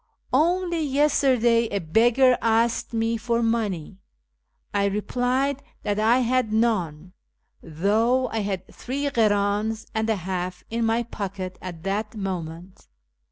Only yesterday a beggar asked me for money. I replied that I had none, though I had three kriins and a half in my pocket at that moment.